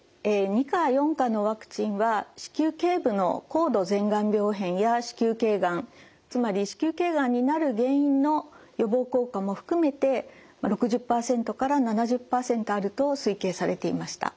２価・４価のワクチンは子宮頸部の高度前がん病変や子宮頸がんつまり子宮頸がんになる原因の予防効果も含めて６０％から７０％あると推計されていました。